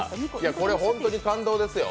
これもう本当に感動ですよ。